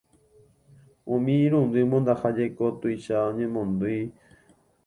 Umi irundy mondaha jeko tuicha oñemondýi.